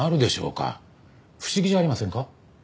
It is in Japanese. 不思議じゃありませんか？